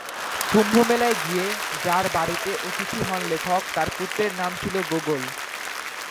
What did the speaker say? কুম্ভমেলায় গিয়ে যার বাড়িতে অতিথি হন লেখক তার পুত্রের নাম ছিল গোগোল।